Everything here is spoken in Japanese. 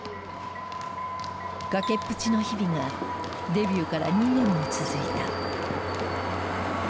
崖っぷちの日々がデビューから２年も続いた。